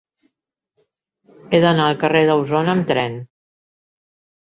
He d'anar al carrer d'Ausona amb tren.